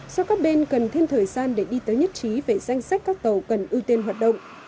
do các bên cần thêm thời gian để đi tới nhất trí về danh sách các tàu cần ưu tiên hoạt động